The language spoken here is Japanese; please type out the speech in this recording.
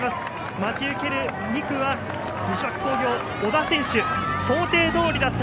待ち受ける２区は西脇工業、小田選手。想定どおりだった。